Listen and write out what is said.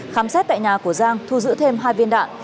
khám xét tại nhà của giang thu giữ thêm hai viên đạn